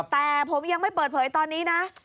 แต่ผมยังไม่เปิดเผยตอนนี้นะ